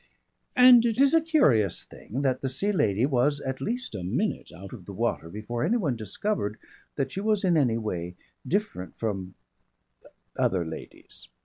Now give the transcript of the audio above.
And it is a curious thing that the Sea Lady was at least a minute out of the water before anyone discovered that she was in any way different from other ladies.